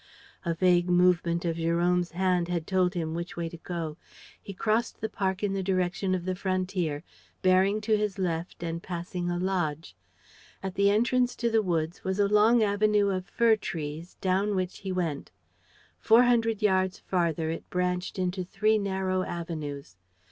A vague movement of Jérôme's hand had told him which way to go. He crossed the park in the direction of the frontier, bearing to his left and passing a lodge. At the entrance to the woods was a long avenue of fir trees down which he went. Four hundred yards farther it branched into three narrow avenues.